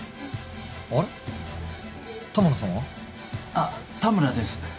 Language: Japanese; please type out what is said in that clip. あっ田村です。